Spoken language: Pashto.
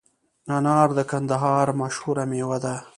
انار د کندهار مشهوره مېوه ده